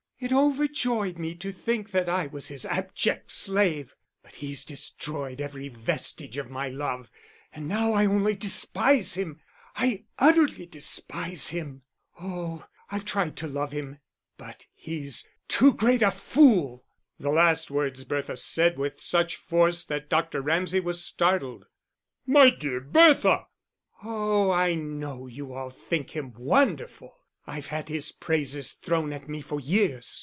It overjoyed me to think that I was his abject slave. But he's destroyed every vestige of my love, and now I only despise him, I utterly despise him. Oh, I've tried to love him, but he's too great a fool." The last words Bertha said with such force that Dr. Ramsay was startled. "My dear Bertha!" "Oh, I know you all think him wonderful. I've had his praises thrown at me for years.